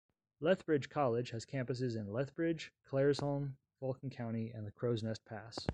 Lethbridge College has campuses in Lethbridge, Claresholm, Vulcan County and the Crowsnest Pass.